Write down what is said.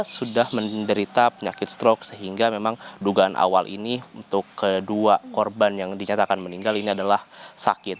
sudah menderita penyakit stroke sehingga memang dugaan awal ini untuk kedua korban yang dinyatakan meninggal ini adalah sakit